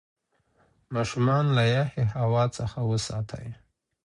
ماشومان له یخې هوا څخه وساتئ.